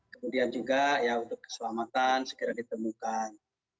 kemudian juga untuk keselamatan sekiranya ditemukan